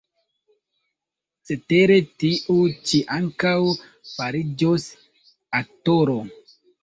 Cetere, tiu ĉi ankaŭ fariĝos aktoro.